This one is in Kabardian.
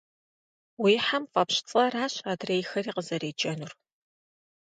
Уи хьэм фӏэпщ цӏэращ адрейхэри къызэреджэнур.